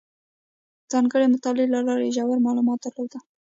ځانګړې مطالعې له لارې یې ژور معلومات درلودل.